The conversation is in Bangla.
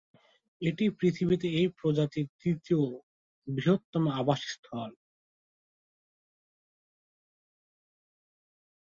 এটি পৃথিবীতে এই প্রজাতির তৃতীয় বৃহত্তম আবাসস্থল।